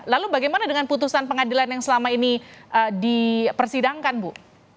lalu bagaimana dengan putusan pengadilan yang selama ini dipersidangkan bu